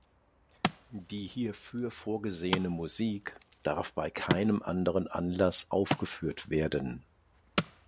Die hierfür vorgesehene Musik darf bei keinem anderen Anlass aufgeführt werden.